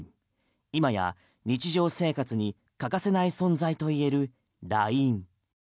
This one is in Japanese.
今や日常生活に欠かせない存在といえるＬＩＮＥ。